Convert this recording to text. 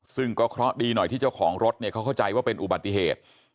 ซึ่งก็เคราะห์ดีหน่อยที่เจ้าของรถเนี่ยเขาเข้าใจว่าเป็นอุบัติเหตุ